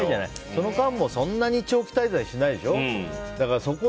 その間も、そんなに長期滞在しないでしょ。